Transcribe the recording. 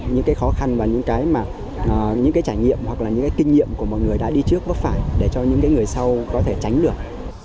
những cái khó khăn và những cái mà những cái trải nghiệm hoặc là những cái kinh nghiệm của mọi người đã đi trước vấp phải để cho những người sau có thể tránh được